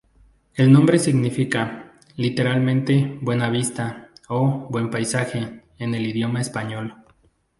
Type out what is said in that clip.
El nombre significa, literalmente, "buena vista" o "buen paisaje" en el idioma español.